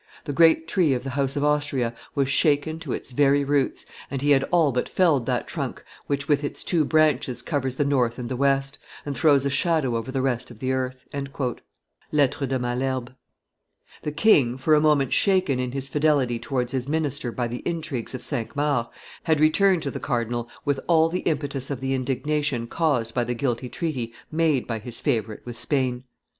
"The great tree of the house of Austria was shaken to its very roots, and he had all but felled that trunk which with its two branches covers the North and the West, and throws a shadow over the rest of the earth." [Lettres de Malherbe, t. iv.] The king, for a moment shaken in his fidelity towards his minister by the intrigues of Cinq Mars, had returned to the cardinal with all the impetus of the indignation caused by the guilty treaty made by his favorite with Spain.